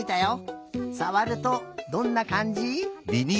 さわるとどんなかんじ？